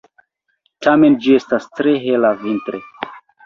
Tamen ĝi estas tre hela vintre.